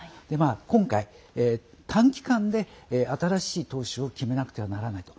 今回、短期間で新しい党首を決めなくてはならないと。